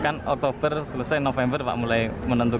kan oktober selesai november pak mulai menentukan